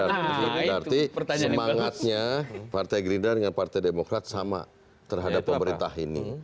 berarti semangatnya partai gerindra dengan partai demokrat sama terhadap pemerintah ini